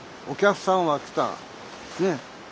お客さんは来た。ね。